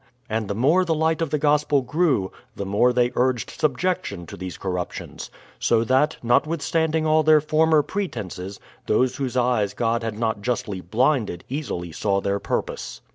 And the more the light of the gospel grew, the more they urged subjection to these cor ruptions, — so that, notwithstanding all their former pre tences, those whose eyes God had not justly blinded easily saw their purpose.